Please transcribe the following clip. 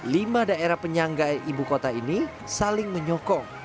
lima daerah penyangga ibu kota ini saling menyokong